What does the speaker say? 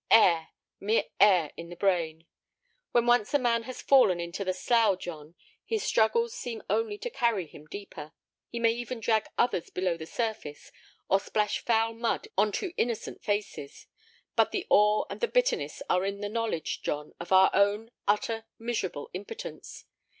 Air—mere air in the brain! When once a man has fallen into the slough, John, his struggles seem only to carry him deeper. He may even drag others below the surface or splash foul mud onto innocent faces. But the awe and the bitterness are in the knowledge, John, of our own utter, miserable impotence.